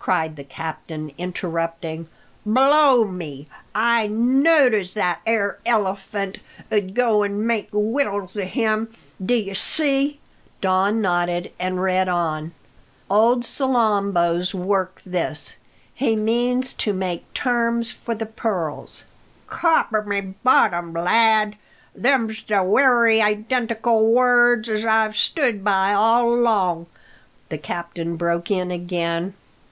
cried the captain, interrupting. "Blow me! I knowed as that 'ere Elephant 'ud go an' make wittles of him, d'ye see?" Don nodded and read on: "'Old Salambo's work this. He means to make terms for the pearls '" "Copper my bottom, lad! Them's the wery identical words as I've stood by all along!" the captain broke in again.